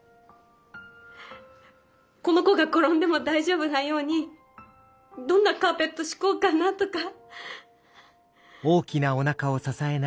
この子が転んでも大丈夫なようにどんなカーペット敷こうかなとか。